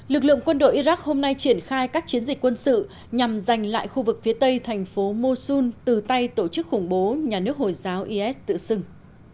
lực lượng quân đội iraq hôm nay triển khai các chiến dịch quân sự nhằm giành lại khu vực phía tây thành phố mosun từ tay tổ chức khủng bố nhà nước hồi giáo is tự xưng